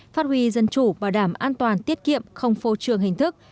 phát huy dân chủ bảo đảm an toàn tiết kiệm không phô trường hình thức